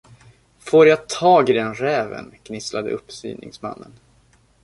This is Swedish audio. Får jag tag i den räven! gnisslade uppsyningsmannen.